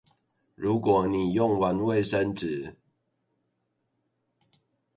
如果你用完衛生紙